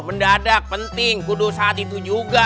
mendadak penting kudus saat itu juga